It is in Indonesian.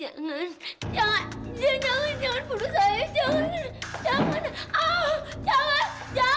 jangan jangan jangan jangan jangan jangan jangan jangan jangan jangan jangan